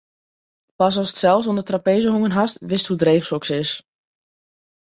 Pas ast sels oan 'e trapeze hongen hast, witst hoe dreech soks is.